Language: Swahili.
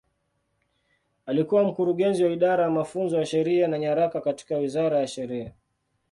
Alikuwa Mkurugenzi wa Idara ya Mafunzo ya Sheria na Nyaraka katika Wizara ya Sheria.